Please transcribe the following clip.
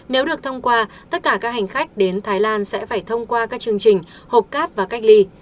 nếu được thông qua tất cả các hành khách đến thái lan sẽ phải thông qua các chương trình hộp cát và cách ly